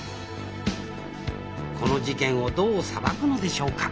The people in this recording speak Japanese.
この事件をどう裁くのでしょうか？